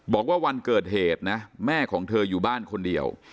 บอกว่าวันเกิดเหตุนะแม่ของเธออยู่บ้านคนเดียว